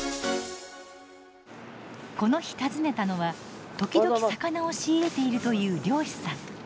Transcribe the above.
この日訪ねたのは時々魚を仕入れているという漁師さん。